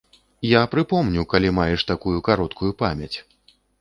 Я прыпомню, калі маеш такую кароткую памяць.